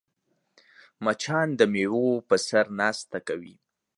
مچان د میوو په سر ناسته کوي